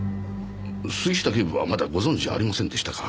杉下警部はまだご存じありませんでしたか。